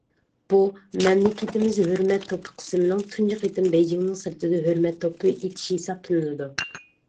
بۇ مەملىكىتىمىز ھۆرمەت توپى قىسمىنىڭ تۇنجى قېتىم بېيجىڭنىڭ سىرتىدا ھۆرمەت توپى ئېتىشى ھېسابلىنىدۇ.